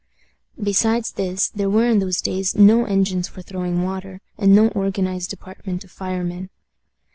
Besides this, there were in those days no engines for throwing water, and no organized department of firemen.